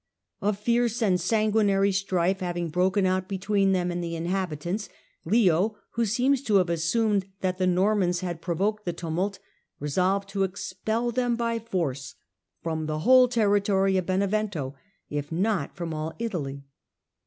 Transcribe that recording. A fierce and sanguinary strife having broken out between them and the inhabitants, Leo, who seems to have assumed that the Normans had provoked the tumult, resolved to expel them by force from the whole territory of Benevento, if not from all Italy.